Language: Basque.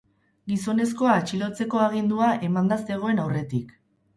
Gizonezkoa atxilotzeko agindua emanda zegoen aurretik.